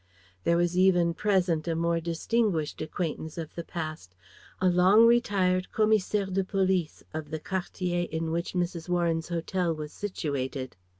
There was even present a more distinguished acquaintance of the past: a long retired Commissaire de Police of the Quartier in which Mrs. Warren's hotel was situated.